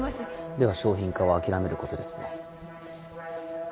では商品化は諦めることですね。